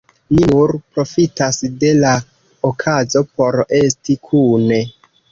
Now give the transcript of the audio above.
Ni nur profitas de la okazo por esti kune.